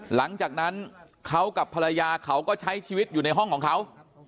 หลังจากนั้นเขากับภรรยาเขาก็ใช้ชีวิตอยู่ในห้องของเขา